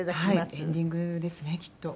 エンディングですねきっと。